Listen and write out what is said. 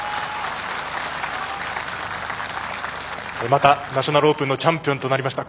またナショナルオープンのチャンピオンとなりました。